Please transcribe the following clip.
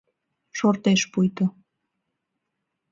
Шортеш пуйто.